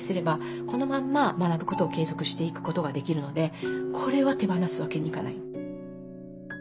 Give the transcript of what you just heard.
このまんま学ぶことを継続していくことができるのでこれは手放すわけにいかない。